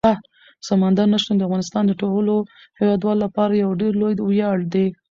سمندر نه شتون د افغانستان د ټولو هیوادوالو لپاره یو ډېر لوی ویاړ دی.